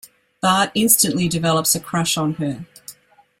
Bart instantly develops a crush on her.